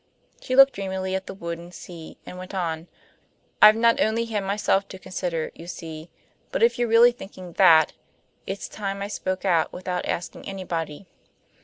She looked dreamily at the wood and sea, and went on: "I've not only had myself to consider, you see; but if you're really thinking THAT, it's time I spoke out, without asking anybody.